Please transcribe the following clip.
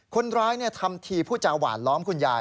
คนร้ายทำทีผู้จาหวานล้อมคุณยาย